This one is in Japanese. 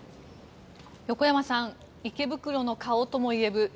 横山さん池袋の顔ともいえる